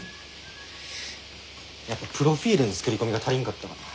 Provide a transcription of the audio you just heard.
やっぱプロフィールの作り込みが足りんかったかなぁ。